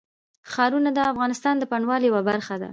ښارونه د افغانستان د بڼوالۍ یوه برخه ده.